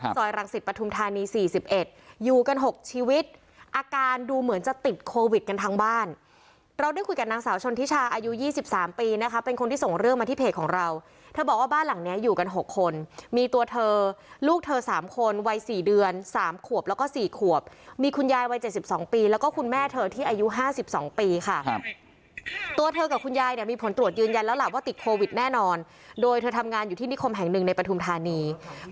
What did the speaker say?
สอยรังศิษย์ปฐุมธานีสี่สิบเอ็ดอยู่กันหกชีวิตอาการดูเหมือนจะติดโควิดกันทั้งบ้านเราได้คุยกับนางสาวชนทิชาอายุยี่สิบสามปีนะคะเป็นคนที่ส่งเรื่องมาที่เพจของเราเธอบอกว่าบ้านหลังเนี้ยอยู่กันหกคนมีตัวเธอลูกเธอสามคนวัยสี่เดือนสามขวบแล้วก็สี่ขวบมีคุณยายวัยเจ็ดสิบสองปีแล้วก็คุณแม่เธอที่